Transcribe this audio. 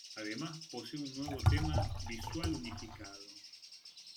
Además, posee un nuevo tema visual unificado.